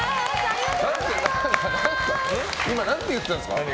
今、何て言ったんですか？